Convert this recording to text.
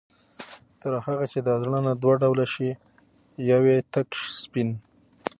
تر هغه چي دا زړونه دوه ډوله شي، يو ئې تك سپين